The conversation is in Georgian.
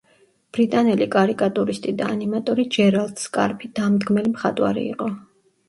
ბრიტანელი კარიკატურისტი და ანიმატორი ჯერალდ სკარფი დამდგმელი მხატვარი იყო.